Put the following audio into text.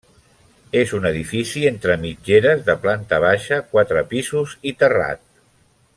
És un edifici entre mitgeres de planta baixa, quatre pisos i terrat.